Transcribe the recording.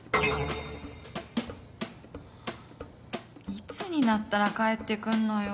いつになったら帰ってくんのよ。